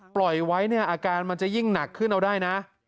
ปล่อยไว้เนี่ยอาการมันจะยิ่งหนักขึ้นเอาได้นะ